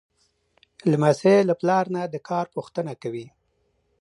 لمسی له پلار نه د کار پوښتنه کوي.